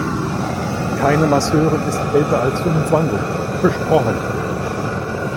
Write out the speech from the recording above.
Keine Masseurin ist älter als fünfundzwanzig, versprochen!